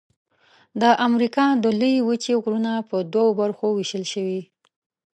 د امریکا د لویې وچې غرونه په دوو برخو ویشل شوي.